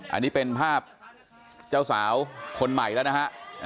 อันนี้เป็นภาพเจ้าสาวคนใหม่แล้วนะฮะ